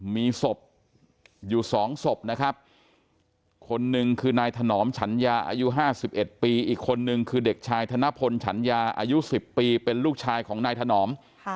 มีศพอยู่๒ศพนะครับคนหนึ่งคือนายถนอมฉันยาอายุ๕๑ปีอีกคนนึงคือเด็กชายธนพลฉันยาอายุ๑๐ปีเป็นลูกชายของนายถนอม